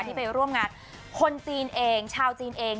ที่ไปร่วมงานคนจีนเองชาวจีนเอง